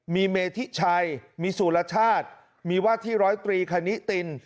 มีเมธิชัยมีสุรชาติมีว่าที่ร้อยตรีคณิติน